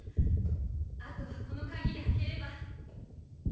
あとはこの鍵で開ければ。